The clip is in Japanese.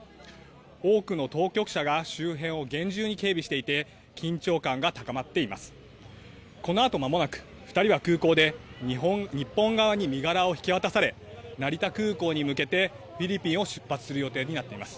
多くの当局者が周辺を厳重に警備していて、緊張感が高まっています。